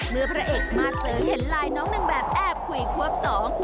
พระเอกมาสเตอเห็นไลน์น้องหนึ่งแบบแอบคุยควบสอง